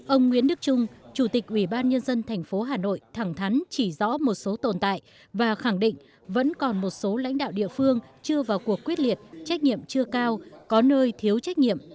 ông nguyễn đức trung chủ tịch ủy ban nhân dân thành phố hà nội thẳng thắn chỉ rõ một số tồn tại và khẳng định vẫn còn một số lãnh đạo địa phương chưa vào cuộc quyết liệt trách nhiệm chưa cao có nơi thiếu trách nhiệm